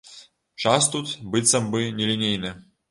Час тут быццам бы нелінейны.